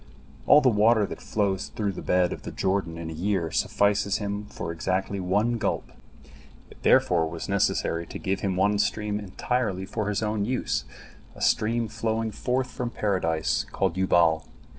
All the water that flows through the bed of the Jordan in a year suffices him exactly for one gulp. It therefore was necessary to give him one stream entirely for his own use, a stream flowing forth from Paradise, called Yubal.